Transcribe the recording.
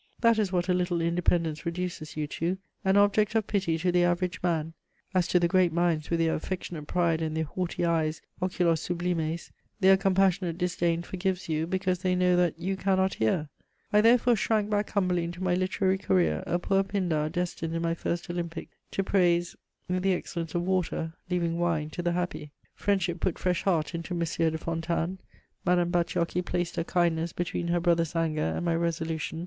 That is what a little independence reduces you to, an object of pity to the average man: as to the great minds with their affectionate pride and their haughty eyes, oculos sublimes, their compassionate disdain forgives you, because they know that "you cannot hear." I therefore shrank back humbly into my literary career, a poor Pindar destined in my first Olympic to praise "the excellence of water," leaving wine to the happy. [Sidenote: I resign my Embassy.] Friendship put fresh heart into M. de Fontanes; Madame Bacciochi placed her kindness between her brother's anger and my resolution; M.